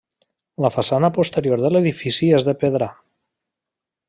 La façana posterior de l'edifici és de pedra.